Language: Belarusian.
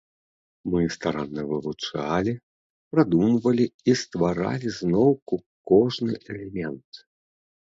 Мы старанна вывучалі, прадумвалі і стваралі зноўку кожны элемент.